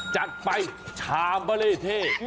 จัดไปชามเบล่เท่